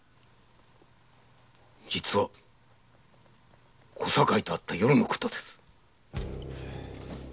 実は小堺と会った夜のことです。